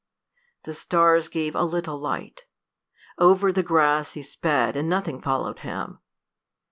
The stars gave a little light. Over the grass he sped, and nothing followed him.